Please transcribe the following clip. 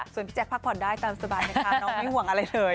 ส่วนพี่แจ๊คพักผ่อนได้ตามสบายนะคะน้องไม่ห่วงอะไรเลย